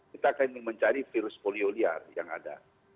kita akan mencari virus polio liar yang ada